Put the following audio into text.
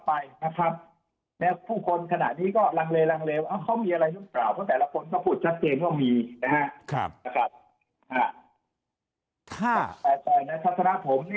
ยิ่งราชาไปก็ยิ่งไม่มีความมั่นใจ